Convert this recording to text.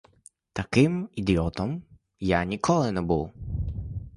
Таким ідіотом я ніколи не був.